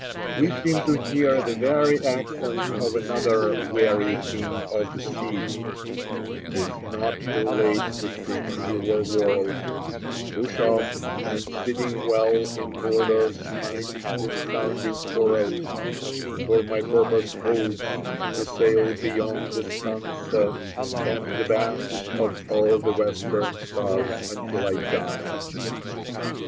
We seem to hear the very accents of another weary King of the Sea: 'Tis not too late to seek a newer world; Push off, and sitting well in order smite The sounding furrows; for my purpose holds To sail beyond the sunset, and the baths Of all the western stars until I die.